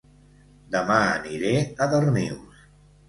Dema aniré a Darnius